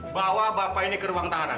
bawa bapak ini ke ruang tahanan